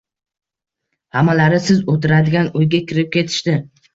Hammalari siz oʻtiradigan uyga kirib ketishdi.